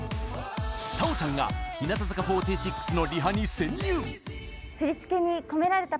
太鳳ちゃんが日向坂４６のリハに潜入。